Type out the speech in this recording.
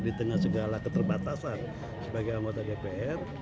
di tengah segala keterbatasan sebagai anggota dpr